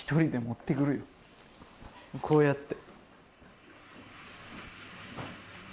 こうやって。